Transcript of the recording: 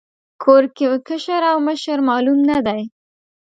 کور کې کشر او مشر معلوم نه دی.